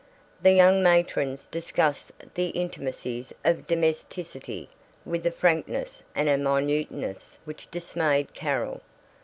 The young matrons discussed the intimacies of domesticity with a frankness and a minuteness which dismayed Carol.